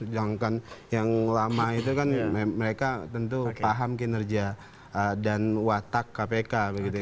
jangan lupa yang lama itu kan mereka tentu paham kinerja dan watak kpk begitu ya